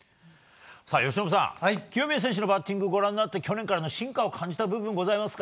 由伸さん、清宮選手のバッティング、ご覧になって、去年からの進化を感じた